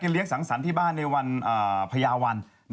เลี้ยงสังสรรค์ที่บ้านในวันพญาวัน